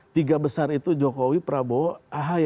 tiga besar itu jokowi prabowo ahaye